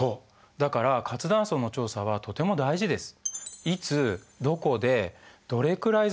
だから活断層の調査はとても大事です。